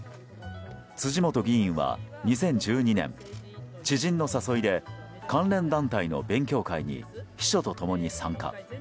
辻元議員は２０１２年知人の誘いで関連団体の勉強会に秘書と共に参加。